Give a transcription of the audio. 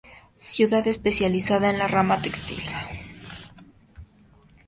Ciudad especializada en la rama textil.